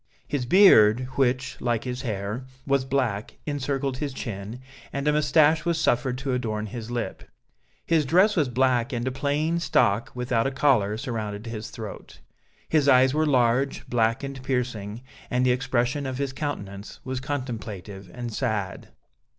His beard, which, like his hair, was black, encircled his chin, and a moustache was suffered to adorn his lip. His dress was black and a plain stock, without a collar, surrounded his throat. His eyes were large, black, and piercing, and the expression of his countenance was contemplative and sad.